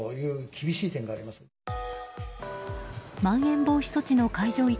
まん延防止措置の解除